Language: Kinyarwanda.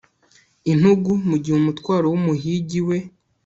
Intugu mugihe umutwaro wumuhigi we